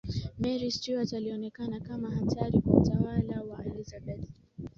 mary stuart alionekana kama hatari kwa utawala wa elizabeth